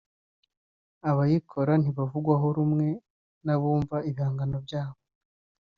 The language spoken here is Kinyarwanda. abayikora ntibavugwaho rumwe n’abumva ibihangano byabo